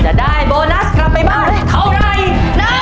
จะได้โบนัสกลับไปบ้านเท่าไร